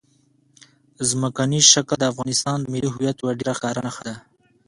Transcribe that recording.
ځمکنی شکل د افغانستان د ملي هویت یوه ډېره ښکاره نښه ده.